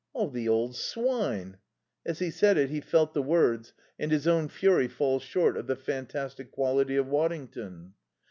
"The old swine!" As he said it, he felt the words and his own fury fall short of the fantastic quality of Waddington.